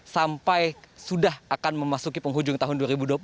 sampai sudah akan memasuki penghujung tahun dua ribu dua puluh satu